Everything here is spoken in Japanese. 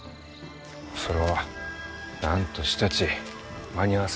それはなんとしたち間に合わせないかんのう。